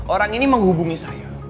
orang ini menghubungi saya